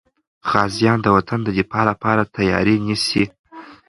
غازیان د وطن د دفاع لپاره تیاري نیسي.